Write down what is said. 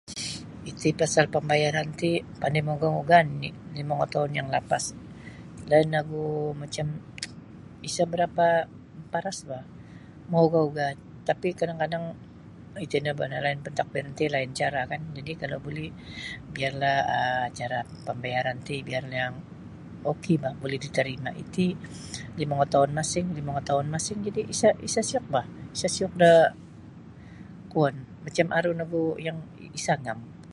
Iti pasal pambayaran ti pandai mauga-uga nini limo ngotoun yang lapas lain ogu macam isa barapa maparas bah mauga-uga ti tapi kadang-kadang iti no bo ti lain pantadbiran lain cara kan jadi kalau buli biarlah um cara pambayaran ti biar ni yang ok bah buli diterima iti limo ngotoun masing lima ngotoun masing jadi isa isa siuk bah isa siuk da kuon macam aru nogu yang isa ngam.